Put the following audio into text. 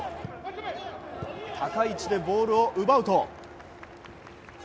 高い位置でボールを奪うと。